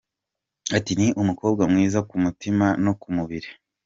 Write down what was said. Ati “Ni umukobwa mwiza ku mutima no ku mubiri.